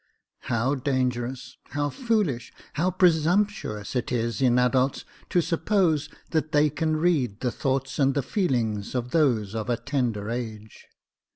How dangerous, how foolish, how presumptuous is it in adults to suppose that they can read the thoughts and the feelings of those of a tender age